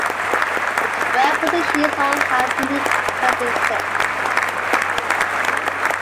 The twelve positions all have unique characteristics.